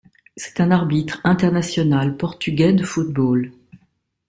C'est un arbitre international portugais de football.